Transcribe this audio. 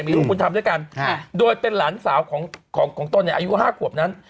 มีลูกบุญธรรมด้วยกันโดยเป็นหลานสาวของตนเนี่ยอายุ๕ขวบนั้น